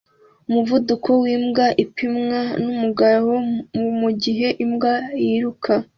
Umuvuduko wimbwa upimwa numugabo mugihe imbwa yiruka